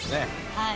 はい。